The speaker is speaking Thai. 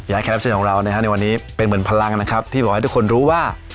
แขกรับเชิญของเรานะฮะในวันนี้เป็นเหมือนพลังนะครับที่บอกให้ทุกคนรู้ว่า